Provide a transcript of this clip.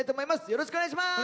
よろしくお願いします！